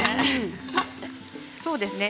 そうですね。